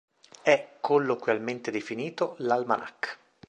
È colloquialmente definito "L'almanach".